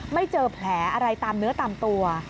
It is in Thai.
ไม่เจอแผลอะไรตามเนื้อตามตัว